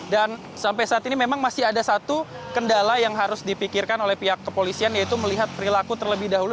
dan sampai saat ini memang masih ada satu kendala yang harus dipikirkan oleh pihak kepolisian yaitu melihat perilaku terlebih dahulu